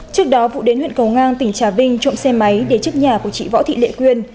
trước đó vũ đến huyện cầu ngang tỉnh trà vinh trộm xe máy để trước nhà của chị võ thị lệ quyên